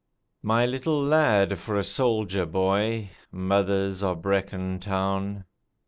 _ My little lad for a soldier boy, (Mothers o' Brecon Town!)